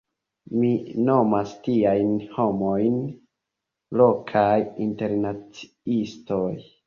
Mi nomas tiajn homojn “lokaj internaciistoj”.